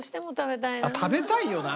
食べたいよな。